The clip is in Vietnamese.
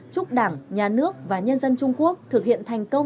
chúc đảng nhà nước và nhân dân trung quốc thực hiện thành công